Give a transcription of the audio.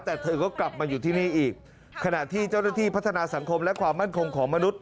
แต่เธอก็กลับมาอยู่ที่นี่อีกขณะที่เจ้าหน้าที่พัฒนาสังคมและความมั่นคงของมนุษย